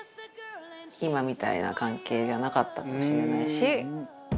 今みたいな関係じゃなかったかもしれないし。